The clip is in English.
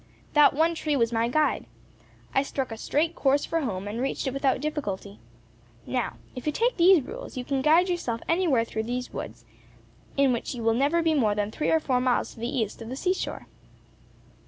That one tree was my guide. I struck a straight course for home, and reached it without difficulty. Now, if you take these rules, you can guide yourself anywhere through these woods, in which you will never be more than three or four miles to the east of the sea shore."